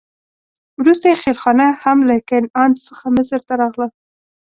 وروسته یې خېلخانه هم له کنعان څخه مصر ته راغله.